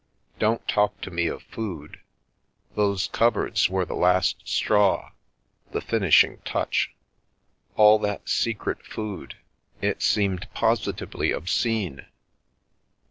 "Don't talk to me of food. Those cupboards were the last straw, the finishing touch. All that secret food — it seemed positively obscene.